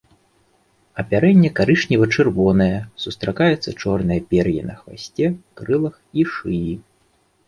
Апярэнне карычнева-чырвонае, сустракаецца чорнае пер'е на хвасце, крылах і шыі.